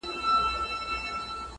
هغه دا درک کړې وه چې